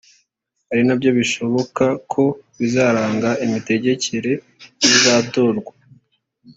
ari nabyo bishoboka ko bizaranga imitegekere y’uzatorwa